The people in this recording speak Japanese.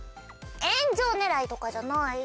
炎上狙いとかじゃない。